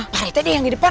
pak rete deh yang di depan